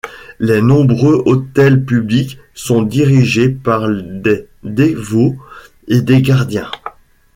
Les nombreux autels publics sont dirigés par des dévots et des gardiens.